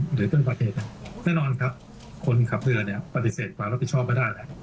หรือเป็นประเทศน่ะแน่นอนครับคนขับเรือปฏิเสธความรับผิดชอบไม่ได้